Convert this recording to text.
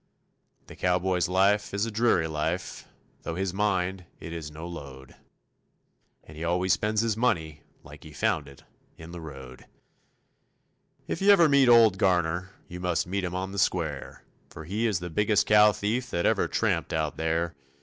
The cowboy's life is a dreary life, though his mind it is no load, And he always spends his money like he found it in the road. If ever you meet old Garner, you must meet him on the square, For he is the biggest cow thief that ever tramped out there.